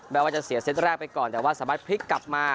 ว่าจะเสียเซตแรกไปก่อนแต่ว่าสามารถพลิกกลับมา